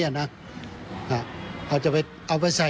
ช่วยให้สามารถสัมผัสถึงความเศร้าต่อการระลึกถึงผู้ที่จากไป